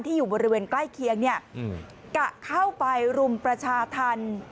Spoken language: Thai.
อยู่บริเวณใกล้เคียงกะเข้าไปรุมประชาธรรม